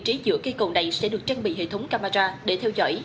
phía giữa cây cầu này sẽ được trang bị hệ thống camera để theo dõi